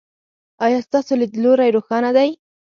ایا ستاسو لید لوری روښانه دی؟